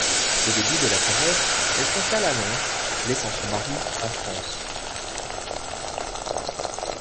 Au début de la Terreur, elle s’installe à Londres, laissant son mari en France.